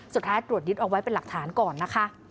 ตรวจยึดเอาไว้เป็นหลักฐานก่อนนะคะ